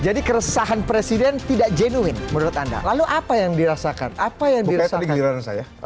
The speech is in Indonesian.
jadi keresahan presiden tidak jenuin menurut anda lalu apa yang dirasakan apa yang dirasakan